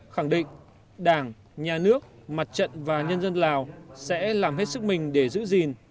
khẳng định đảng nhà nước mặt trận và nhân dân lào sẽ làm hết sức mình để giữ gìn